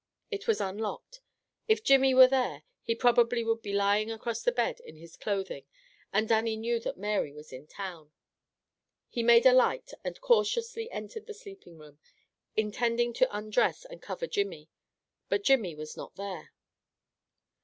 It was unlocked. If Jimmy were there, he probably would be lying across the bed in his clothing, and Dannie knew that Mary was in town. He made a light, and cautiously entered the sleeping room, intending to undress and cover Jimmy, but Jimmy was not there.